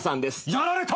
やられた！